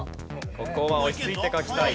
ここは落ち着いて書きたい。